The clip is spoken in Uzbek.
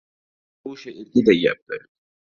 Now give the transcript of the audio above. – Marusha erga tegyapti.